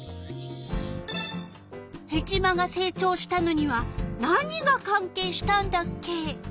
ヘチマが成長したのには何がかん係したんだっけ？